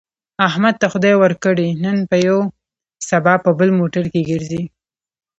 احمد ته خدای ورکړې، نن په یوه سبا په بل موټر کې ګرځي.